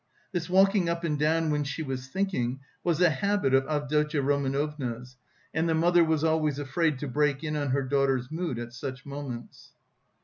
This walking up and down when she was thinking was a habit of Avdotya Romanovna's and the mother was always afraid to break in on her daughter's mood at such moments.